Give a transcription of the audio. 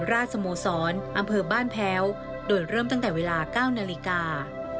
ราชสโมสรอำเภอบ้านแพ้วโดยเริ่มตั้งแต่เวลา๙นาฬิกา